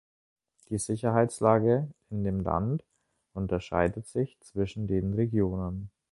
Die Sicherheitslage in dem Land unterscheidet sich zwischen den Regionen.